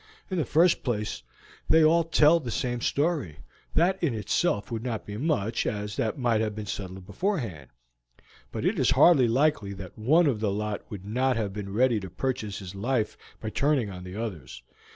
In the first place, they all tell the same story: that in itself would not be much, as that might have been settled beforehand; but it is hardly likely that one of the lot would not have been ready to purchase his life by turning on the others.